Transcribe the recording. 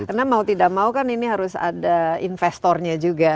karena mau tidak mau kan ini harus ada investornya juga